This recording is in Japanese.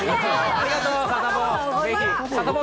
ありがとう、サタボー。